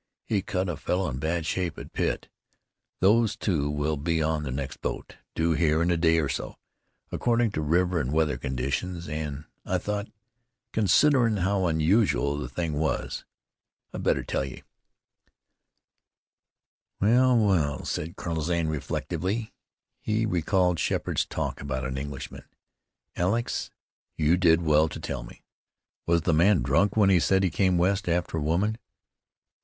He cut a fellow in bad shape at Pitt. These two will be on the next boat, due here in a day or so, according to river and weather conditions, an' I thought, considerin' how unusual the thing was, I'd better tell ye." "Well, well," said Colonel Zane reflectively. He recalled Sheppard's talk about an Englishman. "Alex, you did well to tell me. Was the man drunk when he said he came west after a woman?"